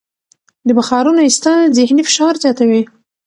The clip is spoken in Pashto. د بخارونو ایستل ذهني فشار زیاتوي.